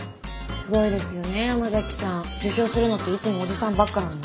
すごいですよね山崎さん。受賞するのっていつもおじさんばっかなのに。